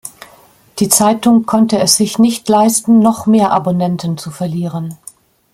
Die Zeitung konnte es sich nicht leisten, noch mehr Abonnenten zu verlieren.